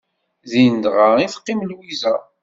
Din dɣa i teqqim Lwiza.